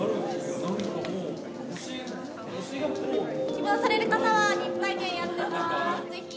・希望される方は妊婦体験やってます。